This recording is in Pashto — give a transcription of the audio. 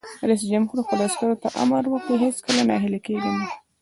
رئیس جمهور خپلو عسکرو ته امر وکړ؛ هیڅکله ناهیلي کیږئ مه!